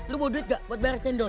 lo mau duit gak buat bayar jendol